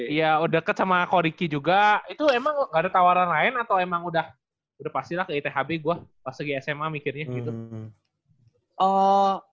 iya udah deket sama koriki juga itu emang gak ada tawaran lain atau emang udah pastilah ke ithb gue pas lagi sma mikirnya gitu